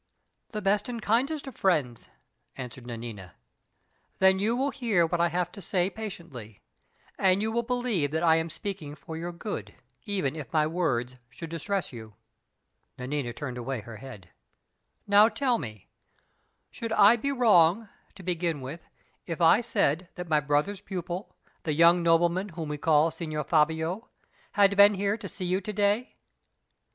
"The best and kindest of friends," answered Nanina. "Then you will hear what I have to say patiently, and you will believe that I am speaking for your good, even if my words should distress you?" (Nanina turned away her head.) "Now, tell me; should I be wrong, to begin with, if I said that my brother's pupil, the young nobleman whom we call 'Signor Fabio,' had been here to see you to day?"